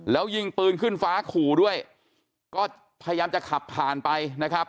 แล้วยิงปืนขึ้นฟ้าขู่ด้วยก็พยายามจะขับผ่านไปนะครับ